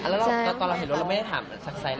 แล้วตอนเราเห็นรถเราไม่ได้ถามซักไซสนะ